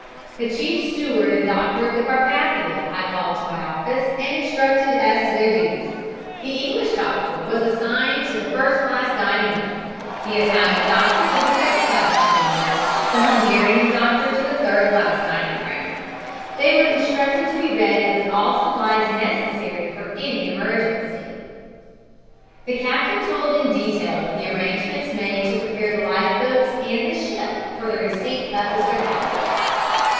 The chief steward and doctors of the Carpathia I called to my office and instructed as to their duties. The English doctor was assigned to the first class dining room, the Italian doctor to the second class dining room, the Hungarian doctor to the third class dining room. They were instructed to be ready with all supplies necessary for any emergency." {illust. caption = DIAGRAM SHOWING THE PROXIMITY OF OTHER STEAMSHIPS TO THE TITANIC ON NIGHT OF DISASTER.} The captain told in detail of the arrangements made to prepare the life boats and the ship for the receipt of the survivors.